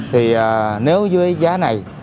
thì nếu dưới giá này